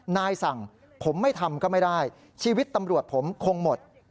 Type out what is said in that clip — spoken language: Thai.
นายสั่งผมไม่ทำก็ไม่ได้ชีวิตตำรวจผมคงหมด